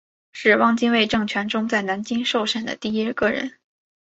是汪精卫政权中在南京受审的第一个人。